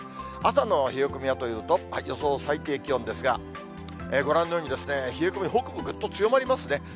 朝の冷え込みはというと、予想最低気温ですが、ご覧のように、冷え込み、北部、ぐっと強まりますね。